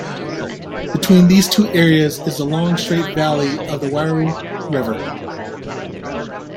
Between these two areas is the long straight valley of the Wairau River.